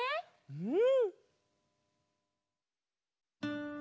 うん！